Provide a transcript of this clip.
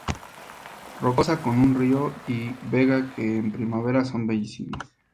Rocosa, con un río y vega que en primavera son bellísimos.